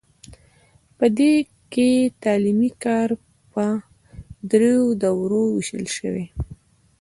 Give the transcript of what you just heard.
په دې کې تعلیمي کار په دریو دورو ویشل شوی.